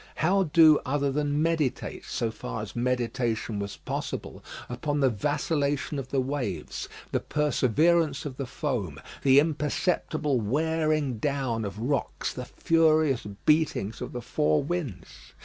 how do other than meditate, so far as meditation was possible, upon the vacillation of the waves, the perseverance of the foam, the imperceptible wearing down of rocks, the furious beatings of the four winds?